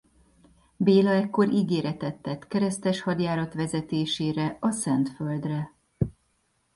Béla ekkor ígéretet tett keresztes hadjárat vezetésére a Szentföldre.